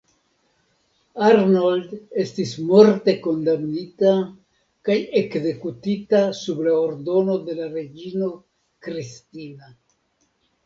Arnold estis morte kondamnita kaj ekzekutita sub la ordono de la reĝino Kristina.